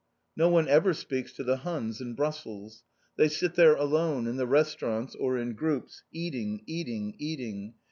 No one ever speaks to the Huns in Brussels. They sit there alone in the restaurants, or in groups, eating, eating, eating.